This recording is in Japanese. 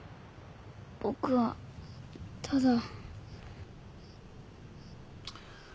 僕はただ。